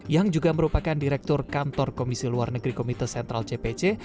yang juga merupakan direktur kantor komisi luar negeri komite sentral cpc